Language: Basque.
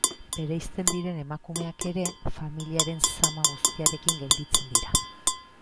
Bereizten diren emakumeak ere, familiaren zama guztiarekin gelditzen dira.